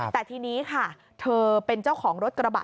แต่ทีนี้ค่ะเธอเป็นเจ้าของรถกระบะ